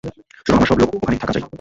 শোনো, আমাদের সব লোক ওখানে থাকা চাই।